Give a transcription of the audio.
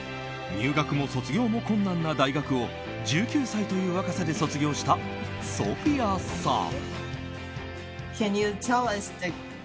入学も卒業も困難な大学を１９歳という若さで卒業したソフィアさん。